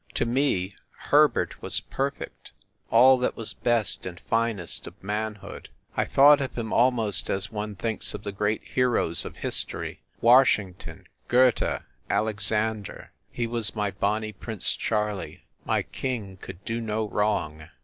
... To me Herbert was perfect all that was best and finest of manhood. I thought of him almost as one thinks of the great heroes of history Wash ington, Goethe, Alexander he was my Bonnie Prince Charlie ; my king could do no wrong.